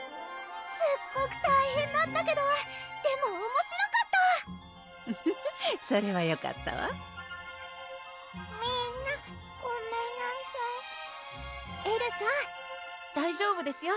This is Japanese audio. すっごく大変だったけどでもおもしろかったフフフッそれはよかったわみんなごめんなしゃいエルちゃん大丈夫ですよ